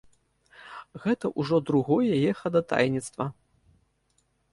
Гэта ўжо другое яе хадайніцтва.